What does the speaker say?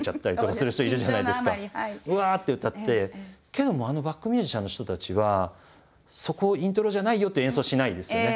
けどもあのバックミュージシャンの人たちはそこイントロじゃないよっていう演奏しないですよね。